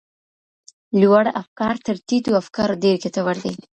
لوړ افکار تر ټیټو افکارو ډیر ګټور دي.